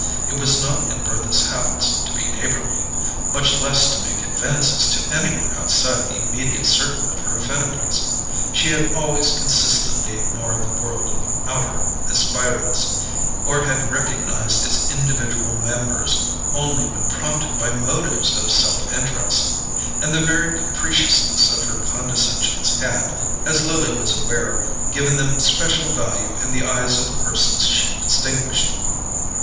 It was not in Bertha's habits to be neighbourly, much less to make advances to any one outside the immediate circle of her affinities. She had always consistently ignored the world of outer aspirants, or had recognized its individual members only when prompted by motives of self interest; and the very capriciousness of her condescensions had, as Lily was aware, given them special value in the eyes of the persons she distinguished.